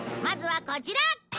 まずはこちら！